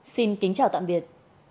xin kính chào tạm biệt